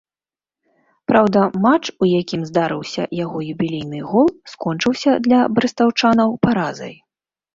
Праўда, матч, у якім здарыўся яго юбілейны гол, скончыўся для брэстаўчанаў паразай.